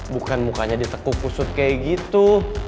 bukan mukanya di tekukusut kayak gitu